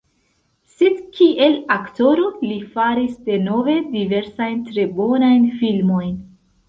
Sed kiel aktoro li faris denove diversajn tre bonajn filmojn.